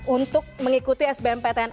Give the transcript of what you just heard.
untuk mengikuti sbm ptn